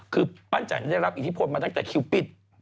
คือปั้นจันได้รับอิทธิพลมาตั้งแต่คิวปิด